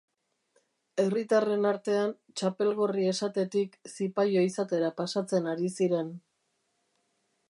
Herritarren artean, txapelgorri esatetik zipaio izatera pasatzen ari ziren.